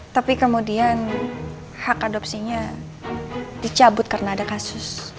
tapi kemudian hak adopsinya dicabut karena ada kasus